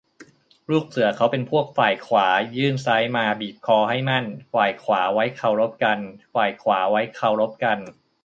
ลูกเสือเขาเป็นพวกฝ่ายขวา ยื่นซ้ายมาบีบคอให้มั่น ฝ่ายขวาไว้เคารพกัน ฝ่ายขวาไว้เคารพกัน